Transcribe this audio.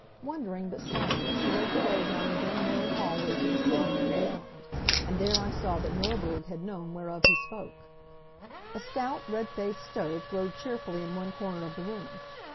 Wondering, but silent, she led the way down the dim narrow hallway to the sitting room beyond. And there I saw that Norberg had known whereof he spoke. A stout, red faced stove glowed cheerfully in one corner of the room.